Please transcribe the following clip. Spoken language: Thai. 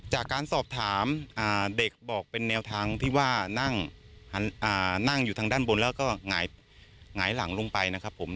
จากการสอบถามเด็กบอกเป็นแนวทางที่ว่านั่งอยู่ทางด้านบนแล้วก็หงายหลังลงไปนะครับผม